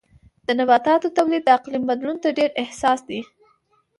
د نباتاتو تولید د اقلیم بدلون ته ډېر حساس دی.